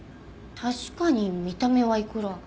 確かに見た目はいくら。